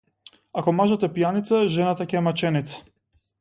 Ако мажот е пијаница, жената ќе е маченица.